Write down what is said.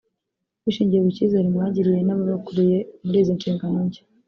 bishingiye ku kizere mwagiriwe n’ababakuriye muri izi nshingano nshya